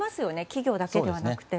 企業だけではなくて。